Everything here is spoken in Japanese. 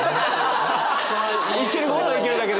一緒にごはん行けるだけで。